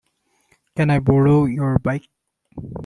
Can I borrow your bike?